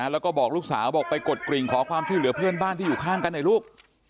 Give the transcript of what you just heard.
แล้วก็บอกลูกสาวบอกไปกดกริ่งขอความช่วยเหลือเพื่อนบ้านที่อยู่ข้างกันหน่อยลูก